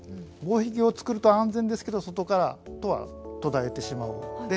防壁をつくると安全ですけど外からとは途絶えてしまう。